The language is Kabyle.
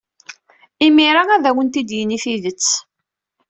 Imir-a ad awent-d-yini tidet.